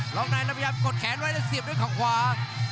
ล็อกในแล้วพยายามกดแขนไว้แล้วเสียบด้วยเขาขวา